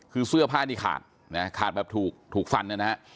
คือเสื้อผ้านี่ขาดนะขาดแบบถูกฟันนะฮะ